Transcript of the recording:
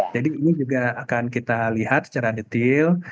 jadi ini juga akan kita lihat secara detail